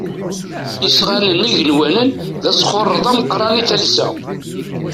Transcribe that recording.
Isɣanen igenwanen d asxurreḍ ameqqran i talsa.